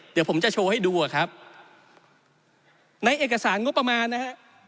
เดี๋ยวผมจะโชว์ให้ดูอ่ะครับในเอกสารงบประมาณนะฮะ